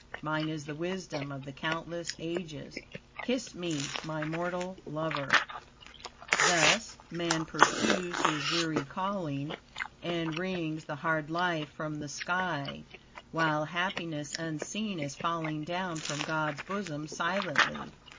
Mine is the wisdom of the countless ages. Kiss me, my mortal lover." "Thus man pursues his weary calling, And wrings the hard life from the sky, While happiness unseen is falling Down from God's bosom silently."